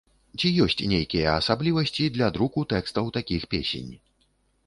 Ці ёсць нейкія асаблівасці для друку тэкстаў такіх песень?